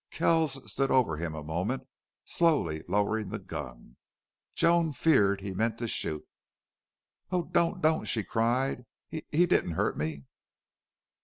Kells stood over him a moment, slowly lowering the gun. Joan feared he meant to shoot. "Oh, don't don't!" she cried. "He he didn't hurt me."